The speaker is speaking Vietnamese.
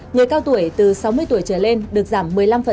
người cao tuổi từ sáu mươi tuổi trở lên được giảm một mươi năm